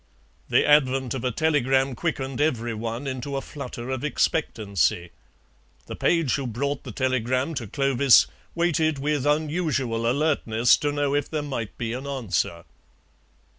The advent of a telegram quickened every one into a flutter of expectancy; the page who brought the telegram to Clovis waited with unusual alertness to know if there might be an answer.